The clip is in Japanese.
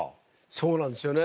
そうなんですよね